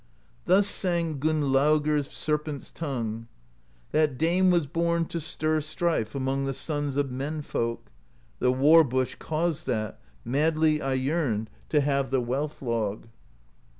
Thus sang Gunnlaugr Serpent's Tongue : That dame was born to stir strife Among the sons of men folk; The War Bush caused that; madly I yearned to have the Wealth Log.